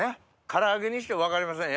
唐揚げにして分かりません？